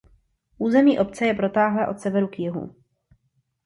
Území obce je protáhlé od severu k jihu.